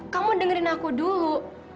kamu dengerin aku dulu